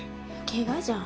ケガじゃん。